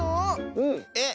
うん。えっ？